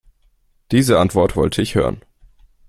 Diese Antwort wollte ich hören.